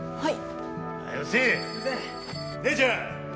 はい。